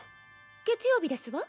月曜日ですわ。